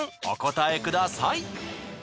お答えください。